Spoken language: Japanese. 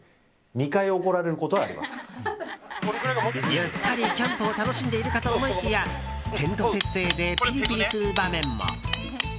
ゆったりキャンプを楽しんでいるかと思いきやテント設営でピリピリする場面も。